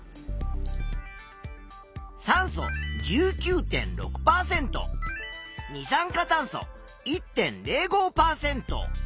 酸素１９．６％二酸化炭素１．０５％。